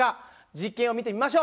実験を見てみましょう。